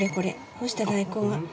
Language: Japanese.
干した大根が。